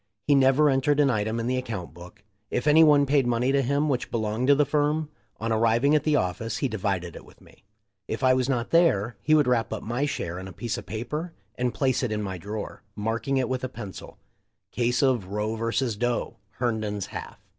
He never entered an item in the account book. If any one paid money to him which belonged to the firm, on arriving at the office he divided it with me. If I was not there, he would wrap up my share in a piece of paper and place it in my drawer — marking it with a pencil, "Case of Roe vs. Doe. — Herndon's half."